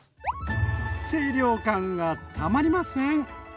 清涼感がたまりません。